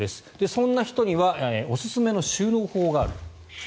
そんな人にはおすすめの収納法がある。